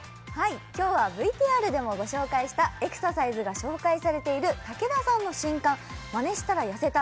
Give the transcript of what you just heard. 今日はＶＴＲでもご紹介したエクササイズが紹介されている竹田さんの新刊「マネしたらやせた！